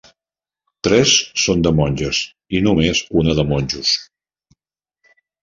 Tres són de monges i només una de monjos.